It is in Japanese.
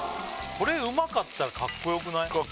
これうまかったらかっこよくない？